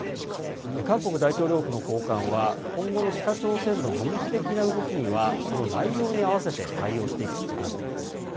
韓国大統領府の高官は今後の北朝鮮の軍事的な動きにはその内容に合わせて対応していくと話しています。